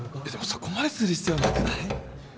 でもそこまでする必要なくない？